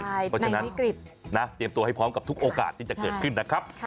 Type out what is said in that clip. เพราะฉะนั้นเตรียมตัวให้พร้อมกับทุกโอกาสที่จะเกิดขึ้นนะครับ